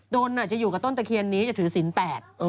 นจะอยู่กับต้นตะเคียนนี้จะถือศิลป